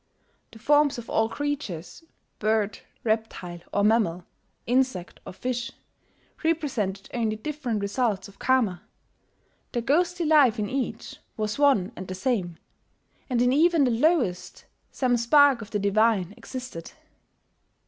The forms of all creatures, bird, reptile, or mammal; insect or fish, represented only different results of Karma: the ghostly life in each was one and the same; and, in even the lowest, some spark of the divine existed.